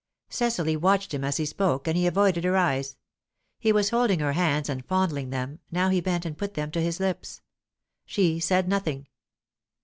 Cecily watched him as he spoke, and he avoided her eyes. He was holding her hands and fondling them; now he bent and put them to his lips. She said nothing.